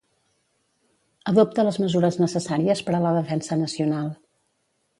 Adopta les mesures necessàries per a la defensa nacional.